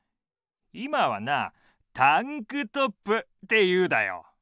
今はなタンクトップっていうだよ。